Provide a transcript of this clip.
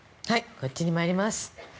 こっちに参ります。